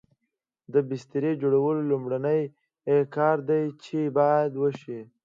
د بستر جوړول لومړنی کار دی چې باید وشي